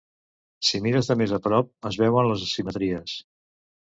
Si mires de més a prop, es veuen les asimetries.